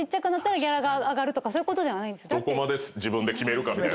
どこまで自分で決めるかみたいな。